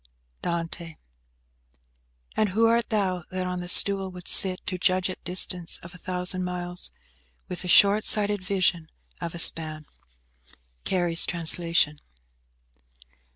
DANTE. "And who art thou, that on the stool wouldst sit To judge at distance of a thousand miles, With the short sighted vision of a span?" CARY'S Translation.